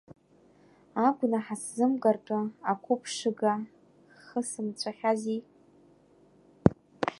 Агәнаҳа сзымгартәы, ақәыԥшыга, хысымҵәахьази.